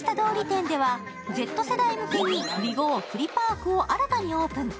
店ではＺ世代向けにＷＥＧＯプリパークを新たにオープン。